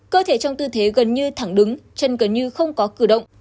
cơ thể trong tư thế gần như thẳng đứng chân gần như không có cử động